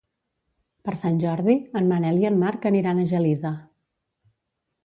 Per Sant Jordi en Manel i en Marc aniran a Gelida.